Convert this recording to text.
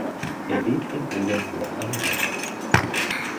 Er lebt in Obernburg am Main.